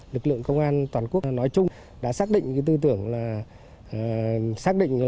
lực lượng công an toàn quốc nói chung đã xác định tư tưởng là